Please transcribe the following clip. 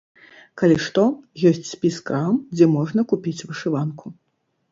Калі што, ёсць спіс крам, дзе можна купіць вышыванку.